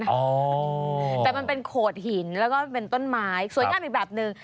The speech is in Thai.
แต่มันเป็นโขดหินแล้วก็เป็นต้นไม้สวยงามอีกแบบนึง